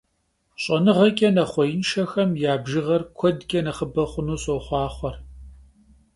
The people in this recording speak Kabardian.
Ş'enığeç'e nexhuêinşşexem ya bjjığer kuedç'e nexhıbe xhunu soxhuaxhue!